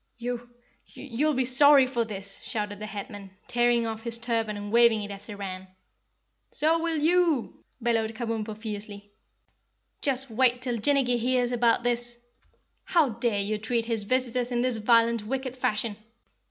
"You you YOU'LL be sorry for this!" shouted the Headman, tearing off his turban and waving it as he ran. "So will you!" bellowed Kabumpo fiercely. "Just wait till Jinnicky hears about this! How dare you treat his visitors in this violent wicked fashion?"